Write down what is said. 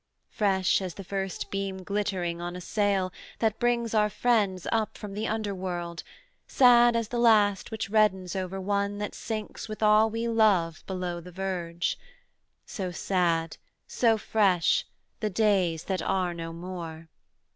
'Fresh as the first beam glittering on a sail, That brings our friends up from the underworld, Sad as the last which reddens over one That sinks with all we love below the verge; So sad, so fresh, the days that are no more.